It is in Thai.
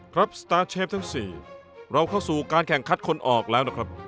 สตาร์เชฟทั้ง๔เราเข้าสู่การแข่งขันคนออกแล้วนะครับ